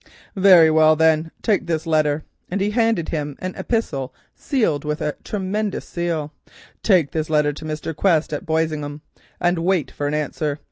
"Very well, then, take this letter," and he handed him an epistle sealed with a tremendous seal, "take this letter to Mr. Quest at Boisingham, and wait for an answer.